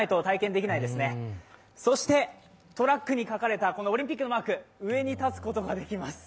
そしてトラックに書かれたオリンピックのマーク、上に立つことができます。